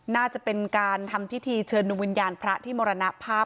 น่าจะเป็นการทำพิธีเชิญดวงวิญญาณพระที่มรณภาพ